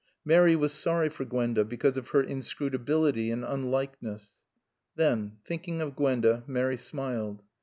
Mary was sorry for Gwenda because of her inscrutability and unlikeness. Then, thinking of Gwenda, Mary smiled.